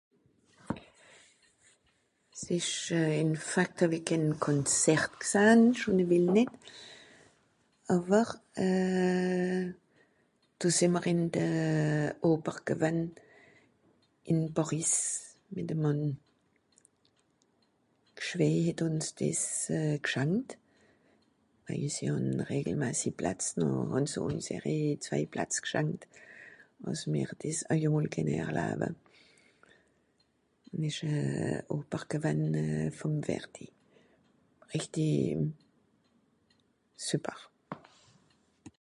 s'esch à ...konzert gsahn schon à vil net àwer euh do sìn mr ìn de ober gewann ìn pàris mìt de mànn g'schwei het des ùns g'schankt weil si hàn regelmassi platz no hàn se uns eijeri zwei platz g'schankt ass mr des euj à mol kenne erlawe mìsch à obergewann vom ....... super